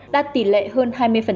đạt tỷ lệ hơn hai mươi